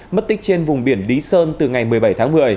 mất tích trên vùng biển lý sơn từ ngày một mươi bảy tháng một mươi